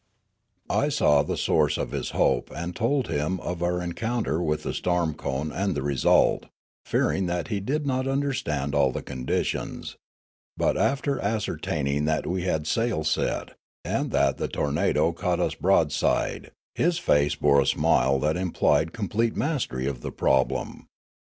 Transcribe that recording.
I saw the source of his hope and told him of our encounter with the storm cone and the result, fearing that he did not understand all the conditions; but, after ascertaining that we had sail set, and that the tornado caught us broadside, his face bore a smile that implied complete mastery of the problem.